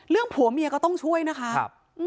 เรื่องผัวเมียก็ต้องช่วยนะคะ